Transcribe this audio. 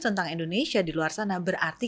tentang indonesia di luar sana berarti